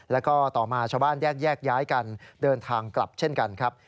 แล้วก็ต่อมาชาวบ้านแยกย้ายกันเดินทางกลับเช่นกันครับ